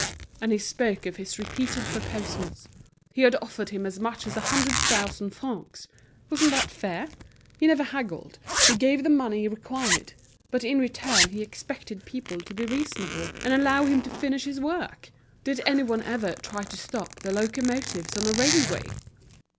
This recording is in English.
And he spoke of his repeated proposals; he had offered him as much as a hundred thousand francs. Wasn't that fair? He never haggled, he gave the money required; but in return he expected people to be reasonable, and allow him to finish his work! Did anyone ever try to stop the locomotives on a railway?